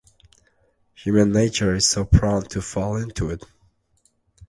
Human nature is so prone to fall into it!